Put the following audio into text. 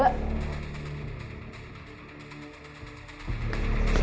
lo gak usah ikut siapa